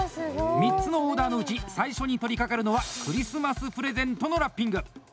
３つのオーダーのうち最初に取りかかるのはクリスマスプレゼントのラッピング！